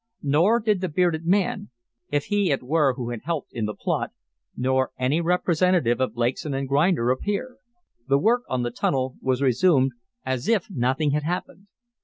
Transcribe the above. Nor did the bearded man (if he it were who had helped in the plot), nor any representative of Blakeson & Grinder appear. The work on the tunnel was resumed as if nothing had happened.